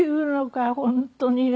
本当にね。